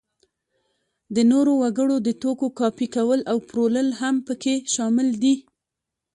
د نورو وګړو د توکو کاپي کول او پلورل هم په کې شامل دي.